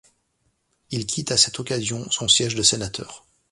Il quitte à cette occasion son siège de sénateur.